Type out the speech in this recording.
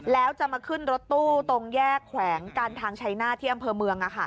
แล้วจะมาขึ้นรถตู้ตรงแยกแขวงการทางชัยหน้าที่อำเภอเมือง